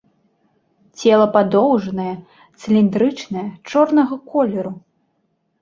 Цела падоўжанае, цыліндрычнае, чорнага колеру.